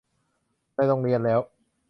ในโรงเรียนแล้ว